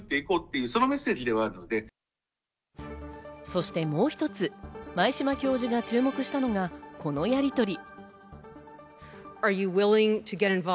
そしてもう一つ、前嶋教授が注目したのがこのやりとり。